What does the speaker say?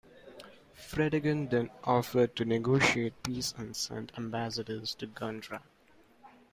Fredegund then offered to negotiate peace and sent ambassadors to Guntram.